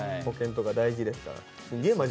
保険とか大事ですから。